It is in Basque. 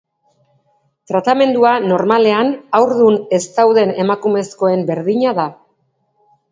Tratamendua normalean haurdun ez dauden emakumezkoen berdina da.